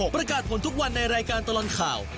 ประกาศผลทุกวันในรายการตลอดข่าว